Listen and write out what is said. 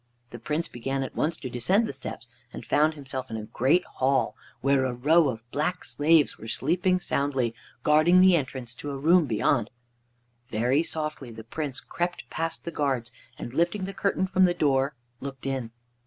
The Prince began at once to descend the steps, and found himself in a great hall where a row of black slaves were sleeping soundly, guarding the entrance to a room beyond. Very softly the Prince crept past the guards, and lifting the curtain from the door, looked in.